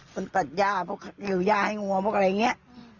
คนตัดย่าเพราะอยู่ย่าให้งัวพวกอะไรอย่างนี้